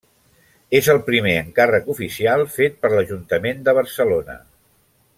És el primer encàrrec oficial fet per l'Ajuntament de Barcelona.